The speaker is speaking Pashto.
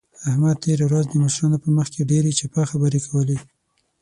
احمد تېره ورځ د مشرانو په مخ کې ډېرې چپه خبرې کولې.